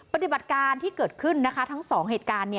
ปฏิบัติการที่เกิดขึ้นทั้ง๒เหตุการณ์